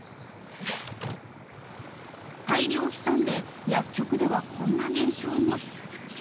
大量飛散で薬局ではこんな現象も。